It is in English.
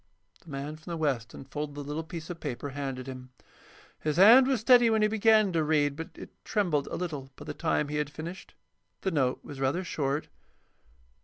The man from the West unfolded the little piece of paper handed him. His hand was steady when he began to read, but it trembled a little by the time he had finished. The note was rather short.